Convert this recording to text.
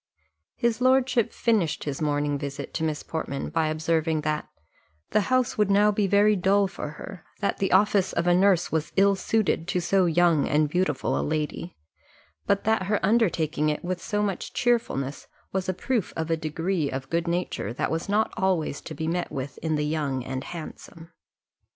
His lordship finished his morning visit to Miss Portman, by observing that "the house would now be very dull for her: that the office of a nurse was ill suited to so young and beautiful a lady, but that her undertaking it with so much cheerfulness was a proof of a degree of good nature that was not always to be met with in the young and handsome."